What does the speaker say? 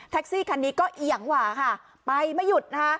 ซี่คันนี้ก็เอียงหว่าค่ะไปไม่หยุดนะคะ